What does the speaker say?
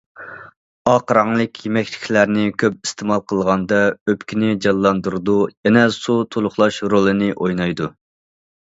ئاق رەڭلىك يېمەكلىكلەرنى كۆپ ئىستېمال قىلغاندا، ئۆپكىنى جانلاندۇرىدۇ، يەنە سۇ تولۇقلاش رولىنى ئوينايدۇ.